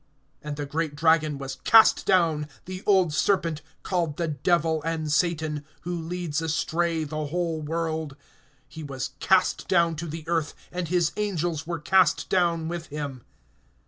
(9)And the great dragon was cast down, the old serpent, called the Devil and Satan, who leads astray the whole world; he was cast down to the earth, and his angels were cast down with him.